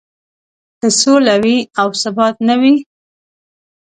که سوله وي او ثبات نه وي.